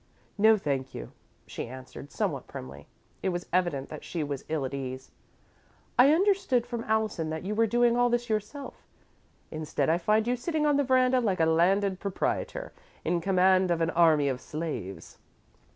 "No, thank you," she answered, somewhat primly. It was evident that she was ill at ease. "I understood from Allison that you were doing all this yourself. Instead, I find you sitting on the veranda like a landed proprietor, in command of an army of slaves."